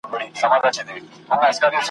یوه ورځ به خپلي غوښي تر دېګدان وړي `